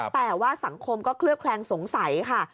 แต่ว่าสังคมก็เคลือบแคลงสงสัยค่ะ